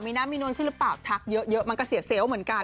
มีน้ำมีนวลขึ้นหรือเปล่าทักเยอะมันก็เสียเซลล์เหมือนกัน